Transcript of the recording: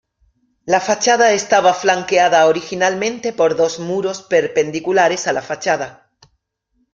La fachada estaba flanqueada originalmente por dos muros perpendiculares a la fachada.